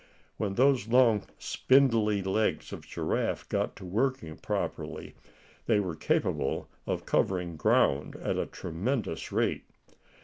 When those long "spindle" legs of Giraffe got to working properly, they were capable of covering ground at a tremendous rate.